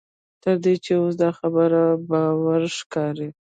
تر دې چې اوس دا خبره باوري ښکاري.